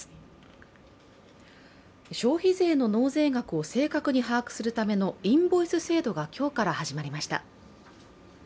消費税の納税額を正確に把握するためのインボイス制度が今日から始まりました。